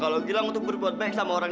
kalau gilang untuk berbuat baik sama orang